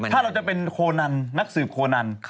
ถ้าเราจะเป็นโคนันนักสืบโคนัน